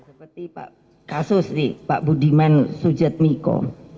seperti pak kasus nih pak budiman suyad miko